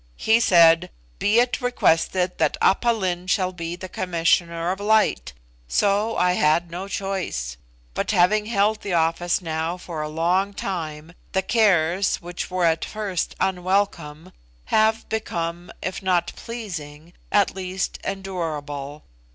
He said, 'Be it requested that Aph Lin shall be the Commissioner of Light,' so I had no choice; but having held the office now for a long time, the cares, which were at first unwelcome, have become, if not pleasing, at least endurable.